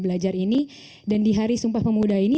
belajar ini dan di hari sumpah pemuda ini